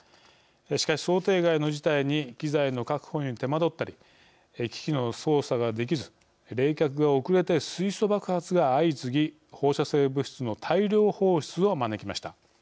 しかし、想定外の事態に機材の確保に手間取ったり機器の操作ができず冷却が遅れて水素爆発が相次ぎ放射性物質の大量放出を招きました。